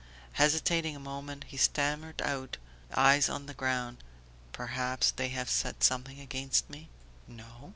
Hesitating a moment he stammered out, eyes on the ground: "Perhaps ... they have said something against me?" "No."